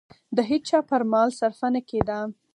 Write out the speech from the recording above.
د هېچا پر مال صرفه نه کېده.